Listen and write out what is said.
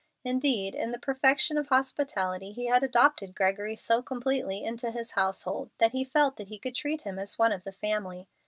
Indeed, in the perfection of hospitality, he had adopted Gregory so completely into his household that he felt that he could treat him as one of the family.